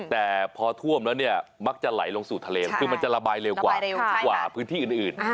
แต่พอท่วมแล้วเนี่ยมักจะไหลลงสู่ทะเลคือมันจะระบายเร็วกว่าเร็วกว่าพื้นที่อื่น